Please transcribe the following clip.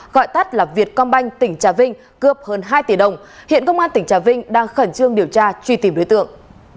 gọi tắt là việt công banh tỉnh trà vinh cướp hơn hai tỷ đồng hiện công an tỉnh trà vinh đang khẩn trương điều tra truy tìm đối tượng